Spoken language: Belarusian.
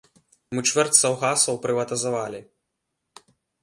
Мы чвэрць саўгасаў прыватызавалі.